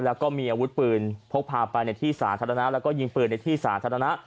แล้วก็มีอาวุธปืนพกพาไปในที่สาธารณะแล้วก็ยิงปืนในที่สาธารณะ